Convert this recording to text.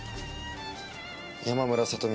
山村聡美